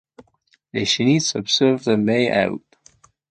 Les chenilles s'observent de mai à août.